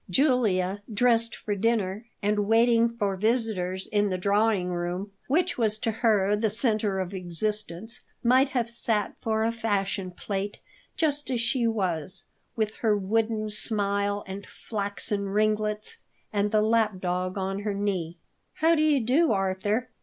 Julia, dressed for dinner, and waiting for visitors in the drawing room which was to her the centre of existence, might have sat for a fashion plate just as she was, with her wooden smile and flaxen ringlets, and the lap dog on her knee. "How do you do, Arthur?"